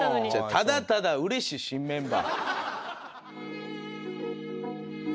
ただただうれしい新メンバー。